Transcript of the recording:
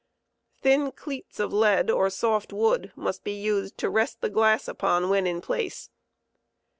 Thin cleats of lead or soft wood must be nsed to rest the gl^ss upon when in place.